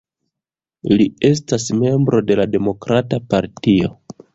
Li estas membro de la Demokrata Partio.